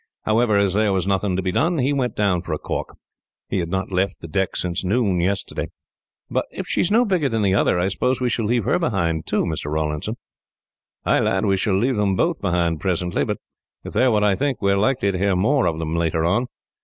However, as there was nothing to be done, he went down for a caulk. He had not left the deck since noon, yesterday." "But if she is no bigger than the other, I suppose we shall leave her behind, too, Mr. Rawlinson?" "Ay, lad, we shall leave them both behind presently; but if they are what I think, we are likely to hear more of them, later on.